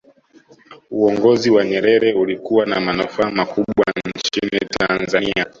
uongozi wa nyerere ulikuwa na manufaa makubwa nchini tanzania